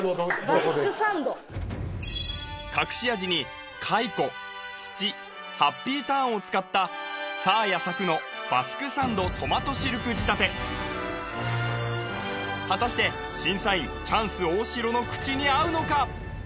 バスクサンド隠し味に蚕土ハッピーターンを使ったサーヤ作のバスクサンドトマトシルク仕立て果たして審査員チャンス大城の口に合うのか？